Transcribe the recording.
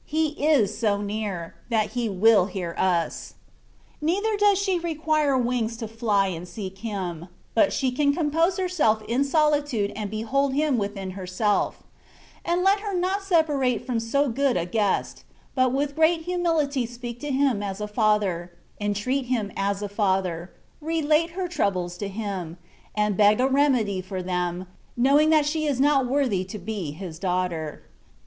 He is so 134 THE WAY OF PERFECTION. near, that He will hear us; neither does she require wings to fly and seek Him, but she can compose herself in solitude and behold Him within herself : and let her not separate from so good a Guest, but with great humility speak to Him as a Father, entreat Him as a Father, relate her trou bles to Him, and beg a remedy for them, knowing that she is not worthy to be His daughter.